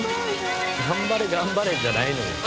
「頑張れ頑張れ」じゃないのよ。